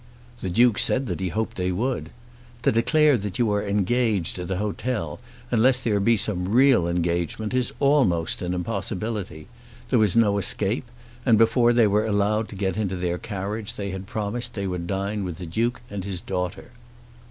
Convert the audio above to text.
The Duke said that he hoped they would. To declare that you are engaged at an hotel, unless there be some real engagement, is almost an impossibility. There was no escape, and before they were allowed to get into their carriage they had promised they would dine with the Duke and his daughter.